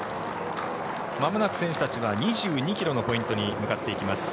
まもなく選手たちは２２ｋｍのポイントに向かっていきます。